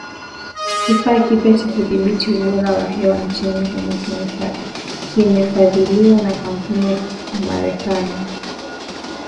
Kifaa kipya cha kudhibiti ubora wa hewa nchini humo kimefadhiliwa na kampuni ya kimarekani